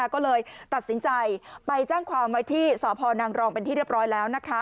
ก็เลยตัดสินใจไปแจ้งความไว้ที่สพนางรองเป็นที่เรียบร้อยแล้ว